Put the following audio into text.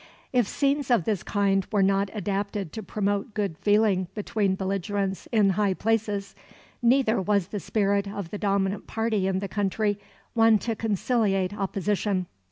If scenes of this kind were not adapted to promote good feeling between belligerents in high places, neither was the spirit of the dominant party in the country one to conciliate opposition.